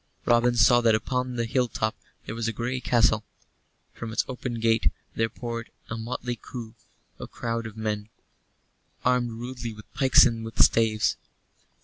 Robin saw that upon the hill top there was a grey castle. From its open gate there poured out a motley crowd of men armed rudely with pikes and with staves.